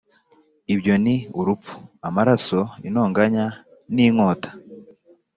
ibyo ni urupfu, amaraso, intonganya, n’inkota,